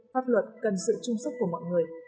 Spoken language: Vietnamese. pháp luật cần sự trung sức của mọi người